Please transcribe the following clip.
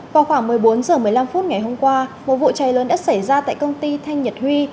vào khoảng một mươi bốn h một mươi năm phút ngày hôm qua một vụ cháy lớn đã xảy ra tại công ty thanh nhật huy